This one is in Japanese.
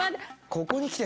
ここに来て。